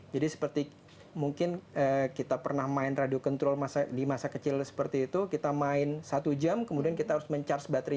jadi seperti mungkin kita pernah main radio control di masa kecil seperti itu kita main satu jam kemudian kita harus mencari baterai